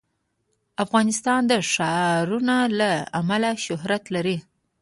افغانستان د ښارونه له امله شهرت لري.